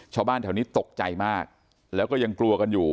ชาวบ้านแถวนี้ตกใจมากแล้วก็ยังกลัวกันอยู่